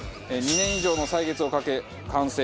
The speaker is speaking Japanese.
２年以上の歳月をかけ完成。